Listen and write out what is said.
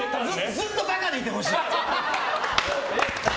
ずっとバカでいてほしい。